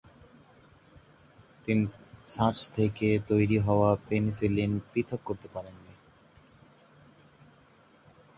তিনি ছাঁচ থেকে তৈরি হওয়া পেনিসিলিন পৃথক করতে পারেন নি।